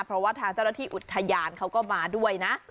เพราะว่าทางเจ้าหน้าที่อุทยานเขาก็มาด้วยนะ